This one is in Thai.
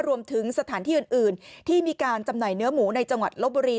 รวมถึงสถานที่อื่นที่มีการจำหน่ายเนื้อหมูในจังหวัดลบบุรี